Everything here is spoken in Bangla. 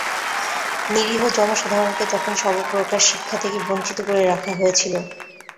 নিরীহ জনসাধারণকে তখন সর্বপ্রকার শিক্ষা থেকে বঞ্চিত করে রাখা হয়েছিল।